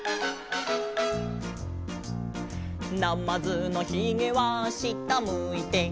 「なまずのひげは下むいて」